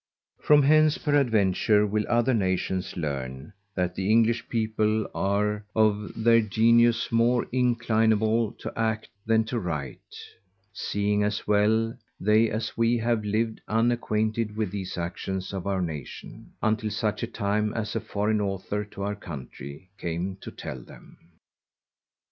From hence peradventure will other Nations learn, that the English people are of their Genius more inclinable to act than to write; seeing as well they as we have lived unacquainted with these actions of our Nation, until such time as a Foreign Author to our Country came to tell them.